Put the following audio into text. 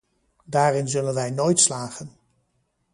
Daarin zullen wij nooit slagen.